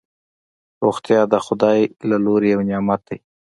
روغتیا دخدای ج له لوری یو نعمت دی